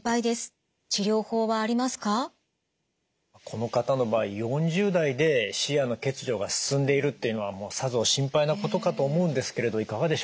この方の場合４０代で視野の欠如が進んでいるっていうのはさぞ心配なことかと思うんですけれどいかがでしょうか？